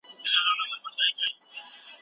موږ ګورو چي ټولنيز پيوستون ډېر مهم دی.